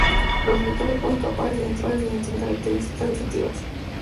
Los descriptores fueron capaces de identificar varias características distintivas.